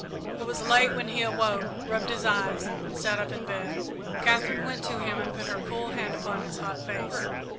It was late when he awoke, rubbed his eyes, and sat up in bed. Katherine went to him and put her cool hand upon his hot face.